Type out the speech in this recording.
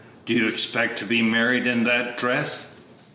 Do you expect to be married in that dress?"